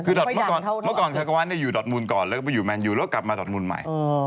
คือเมื่อก่อนคากวานอยู่ดอดมูลก่อนแล้วก็ไปอยู่แนนยูแล้วกลับมาดอดมูลใหม่